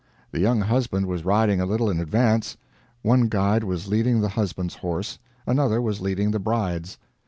The young husband was riding a little in advance; one guide was leading the husband's horse, another was leading the bride's.